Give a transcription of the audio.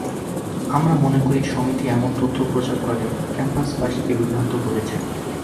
আমরা মনে করি, সমিতি এমন তথ্য প্রচার করে ক্যাম্পাসবাসীকে বিভ্রান্ত করেছে।